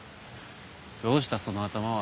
どうしたその頭は。